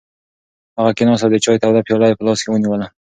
هغه کېناست او د چای توده پیاله یې په لاس کې ونیوله.